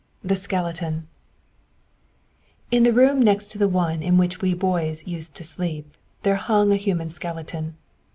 THE SKELETON In the room next to the one in which we boys used to sleep, there hung a human skeleton.